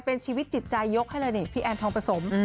เป็นชีวิตจิตใจยกให้เลยนี่พี่แอนทองผสม